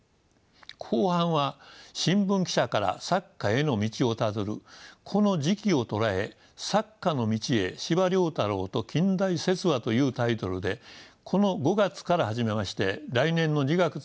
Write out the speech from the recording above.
後半は新聞記者から作家への道をたどるこの時期を捉え「作家の道へ−司馬太郎と『近代説話』」というタイトルでこの５月から始めまして来年の２月まで展示します。